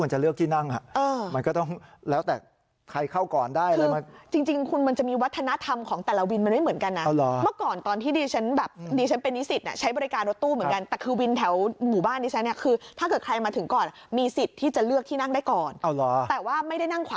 หรือเราต้องเข้าข้างในอย่างเดียว